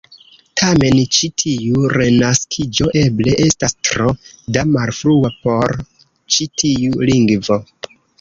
Tamen, ĉi tiu "renaskiĝo" eble estas tro da malfrua por ĉi tiu lingvo.